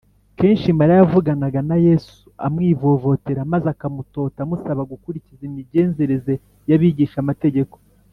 Kenshi Mariya yavuganaga na Yesu amwivovotera, maze akamutota amusaba gukurikiza imigenzereze y’Abigishamategeko